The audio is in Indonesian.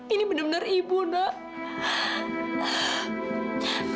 ini bener bener ibu nak